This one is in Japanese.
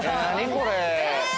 これ。